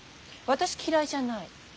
私嫌いじゃない。